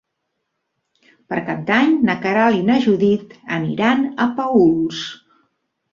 Per Cap d'Any na Queralt i na Judit aniran a Paüls.